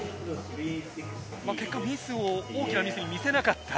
結果、大きなミスに見せなかった。